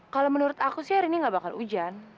kalau menurut aku sih hari ini nggak bakal hujan